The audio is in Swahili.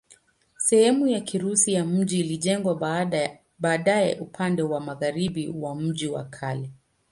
Sehemu ya Kirusi ya mji ilijengwa baadaye upande wa magharibi wa mji wa kale.